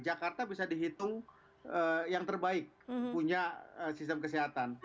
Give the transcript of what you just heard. jakarta bisa dihitung yang terbaik punya sistem kesehatan